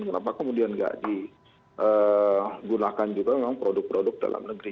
kenapa kemudian nggak digunakan juga memang produk produk dalam negeri